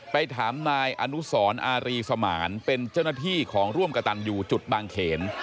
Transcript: ไปถามนายอนุสรอารีสมานเป็นเจ้าหน้าที่ของร่วมกระตันอยู่จุดบางเขน